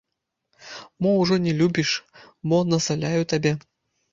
Мо ўжо не любіш, мо назаляю табе?